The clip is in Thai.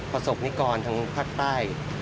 ประสบนิกรทางภาคใต้